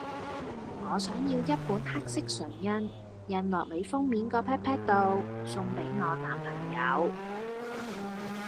我想要一本黑色唇印，印落你封面個 pat pat 度，送俾我男朋友